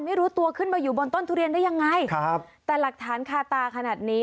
ไม่รู้ตัวขึ้นมาอยู่บนต้นทุเรียนได้ยังไงครับแต่หลักฐานคาตาขนาดนี้